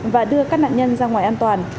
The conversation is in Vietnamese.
và đưa các nạn nhân ra ngoài an toàn